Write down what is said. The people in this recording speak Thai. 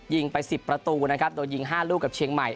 ยิงไป๑๐ประตูนะครับโดยยิง๕ลูกกับเชียงใหม่